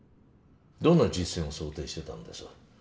どんな実戦を想定してたんです？